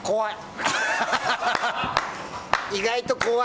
意外と怖い。